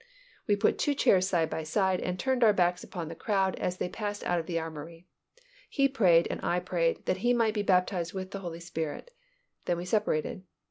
We put two chairs side by side and turned our backs upon the crowd as they passed out of the Armoury. He prayed and I prayed that he might be baptized with the Holy Spirit. Then we separated.